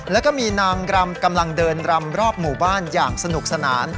แล้วก็มีนางรำกำลังเดินรำรอบหมู่บ้านอย่างสนุกสนาน